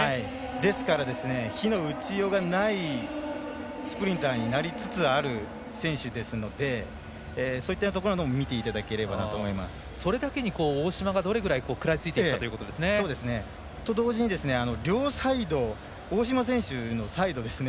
ですから、非の打ちようがないスプリンターになりつつある選手ですのでそういったところもそれだけに大島がどれだけ食らいついていくかですね。と同時に両サイド大島選手のサイドですね。